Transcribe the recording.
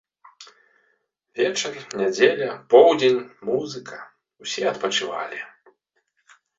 Вечар, нядзеля, поўдзень, музыка, усе адпачывалі.